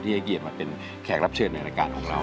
ให้เกียรติมาเป็นแขกรับเชิญในรายการของเรา